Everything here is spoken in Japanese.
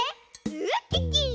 ウッキッキ！